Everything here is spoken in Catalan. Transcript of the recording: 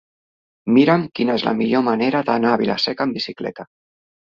Mira'm quina és la millor manera d'anar a Vila-seca amb bicicleta.